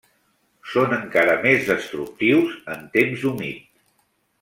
Són encara més destructius en temps humit.